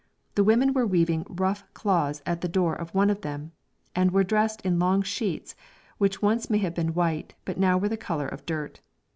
The women were weaving rough cloths at the door of one of them, and were dressed in long sheets which once may have been white, but are now the colour of dirt.